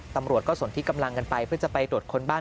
ตำรวจก็ส่วนที่กำลังกันไปเพื่อจะไปตรวจคนบ้าน